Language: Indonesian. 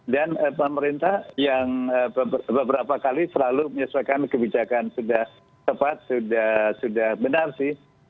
dan pemerintah yang beberapa kali selalu menyesuaikan kebijakan sudah tepat sudah benar sih